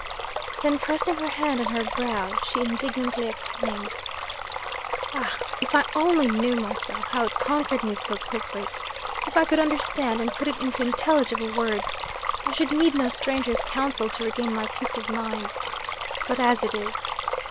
Then, pressing her hand on her brow, she indignantly exclaimed: "Ah, if I only knew myself how it conquered me so quickly! If I could understand and put it into intelligible words, I should need no stranger's counsel to regain my peace of mind. But as it is!